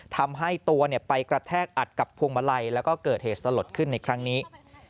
ทำให้ตัวไปกระแทกอัดกับพวงมาลัยแล้วก็เกิดเหตุสลดขึ้นในครั้งนี้